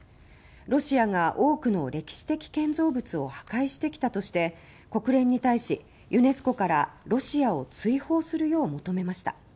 ロシアが多くの歴史的建造物を破壊してきたとして国連に対し、ユネスコからロシアを追放するよう求めました。